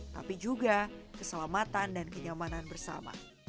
tapi juga keselamatan dan kenyamanan bersama